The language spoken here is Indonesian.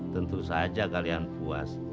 tentu saja kalian puas